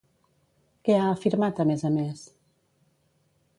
Què ha afirmat a més a més?